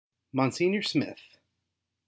MoNSiGNOR Smith, Eev.